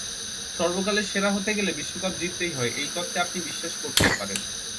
সর্বকালের সেরা হতে গেলে বিশ্বকাপ জিততেই হয়—এই তত্ত্বে আপনি বিশ্বাস করতেই পারেন।